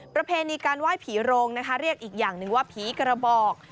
ประเพณีการไหว้ผีโรงนะคะเรียกอีกอย่างหนึ่งว่าผีกระบอก